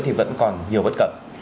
thì vẫn còn nhiều bất cẩn